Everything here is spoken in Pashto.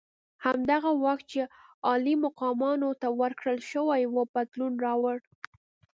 همدغه واک چې عالي مقامانو ته ورکړل شوی وو بدلون راوړ.